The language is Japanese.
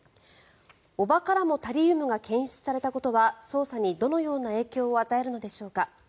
叔母からもタリウムが検出されたことは捜査にどのような影響を与えるのでしょうか。